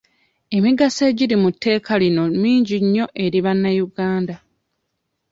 Emigaso egiri mu tteeka lino mingi nnyo eri bannayuganda.